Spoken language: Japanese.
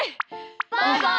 バイバイ。